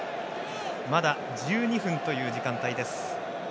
まだ１２分という時間帯です。